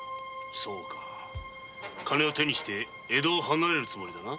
金を手に入れて江戸を離れるつもりだな。